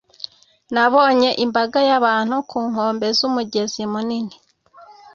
Nabonye imbaga y'abantu ku nkombe z'umugezi munini